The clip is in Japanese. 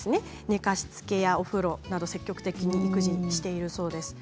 寝かしつけやお風呂など積極的に育児をしているそうです。